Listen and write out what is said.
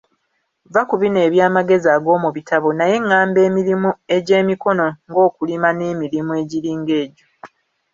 Vva ku bino eby'amagezi ag'omu bitabo naye ngamba emirimu egy'emikono ng'okulima n'emirimu egiringa egyo.